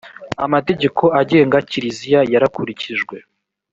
amategeko agenga kiliziya yarakurikijwe